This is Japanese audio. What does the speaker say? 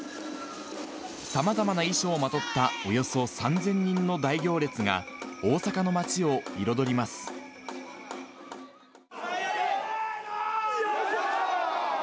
さまざまな衣装をまとったおよそ３０００人の大行列が、大阪の街せーの、よいしょ！